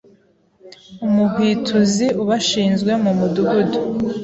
Umuhwituzi ubashinzwe mumudugudu